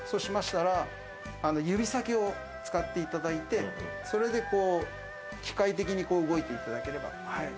指先を使っていただいて、機械的に動いていただければ。